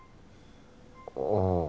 ああ。